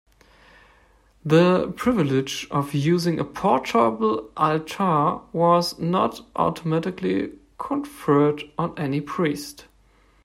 The privilege of using a portable altar was not automatically conferred on any priest.